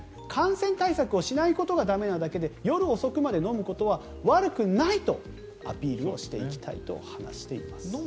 感染対策をしないことが駄目なだけで夜遅くまで飲むことは悪くないとアピールをしていきたいと話しています。